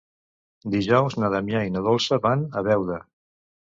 Dijous na Damià i na Dolça van a Beuda.